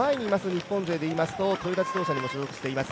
日本勢でいいますとトヨタ自動車に所属しています